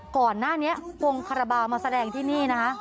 ก่อนหน้านี้วงคาราบาลมาแสดงที่นี่นะคะ